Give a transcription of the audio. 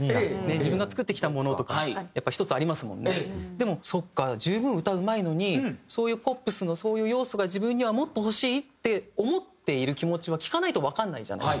でもそっか十分歌うまいのにポップスのそういう要素が自分にはもっと欲しいって思っている気持ちは聴かないとわからないじゃないですか。